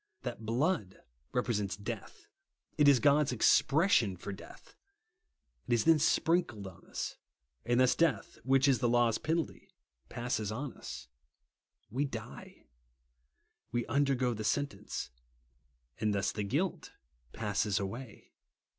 That blood represents death ; it is God's expres sion for death. It is then sprinkled on us, and thus death, which is the law's penalty, passes on us. We die. We undergo the sentence ; and thus the guilt passes away.